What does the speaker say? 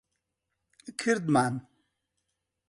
کردمان.